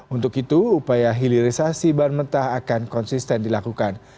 untuk itu upaya hilirisasi ban mentah akan konsisten dilakukan